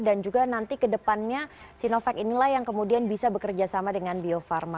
dan juga nanti kedepannya sinovac inilah yang kemudian bisa bekerjasama dengan bio farma